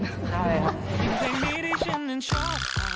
ได้เลยครับ